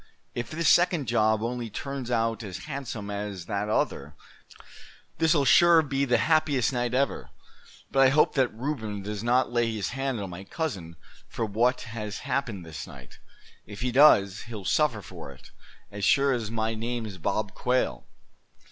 If this second job only turns out as handsome as that other, this'll sure be the happiest night ever. But I hope that Reuben does not lay his hand on my cousin for what has happened this night. If he does, he'll suffer for it, as sure as my name's Bob Quail."